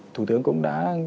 thủ tướng cũng đã